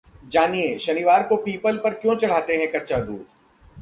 जानिये, शनिवार को पीपल पर क्यों चढ़ाते हैं कच्चा दूध...